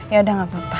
ya udah gak apa apa